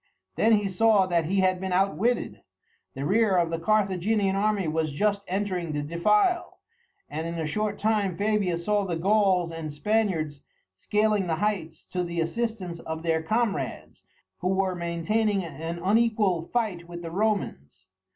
Then he saw that he had been outwitted. The rear of the Carthaginian army was just entering the defile, and in a short time Fabius saw the Gauls and Spaniards scaling the heights to the assistance of their comrades, who were maintaining an unequal fight with the Romans.